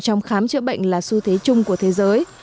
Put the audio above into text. trong khám chữa bệnh là xu thế chung của thế giới